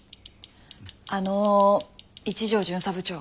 あの一条巡査部長。